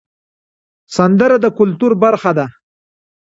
سندره د کلتور برخه ده